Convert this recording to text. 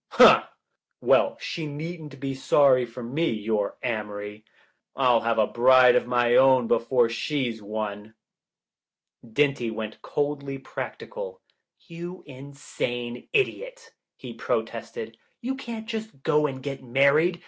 A hh. Well, she needn't be sorry for me, your Amory. I'll have a bride of my own before she's one." Dinty went coldly practical. "You insane idiot," he protested, "you can't just go and get married.